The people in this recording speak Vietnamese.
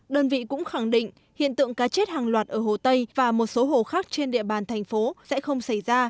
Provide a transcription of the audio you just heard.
đơn vị cũng khẳng định hiện tượng cá chết hàng loạt ở hồ tây và một số hồ khác trên địa bàn thành phố sẽ không xảy ra